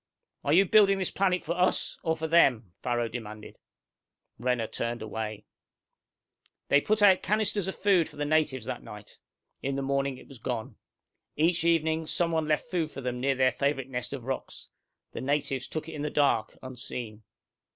"Are you building this planet for us, or for them?" Farrow demanded. Renner turned away. They put out cannisters of food for the natives that night. In the morning it was gone. Each evening, someone left food for them near their favorite nest of rocks. The natives took it in the dark, unseen.